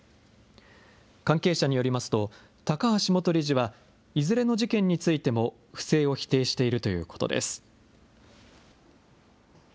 関係者によりますと、高橋元理事は、いずれの事件についても、不正を否定しているということです。